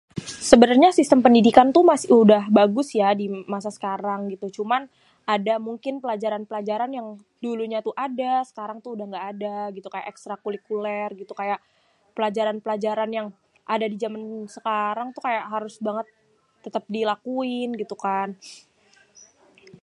sebenernya sistem pendidikan tuh mas udah bagus ya dimasa sekarang gitu, cuman ada mungkin pelajaran-pelajaran yang dulu nya tuh ada sekarang udah gak ada gitu kayak ekstrakulikuler gitu kaya pelajaran-pelajaran yang ada di zaman sekarang tu kayak harus banget têtêp dilakuin gitu kan.